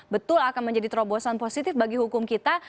betul akan menjadi terobosan positif bagi hukum kita